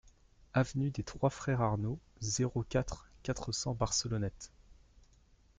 Avenue des Trois Frères Arnaud, zéro quatre, quatre cents Barcelonnette